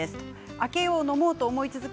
開けよう飲もうと思い続け